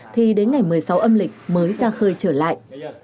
thì đến ngày một mươi sáu âm lịch mới ra khơi trở lại